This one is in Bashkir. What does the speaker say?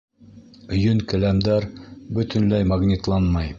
Йөн келәмдәр бөтөнләй магнитланмай.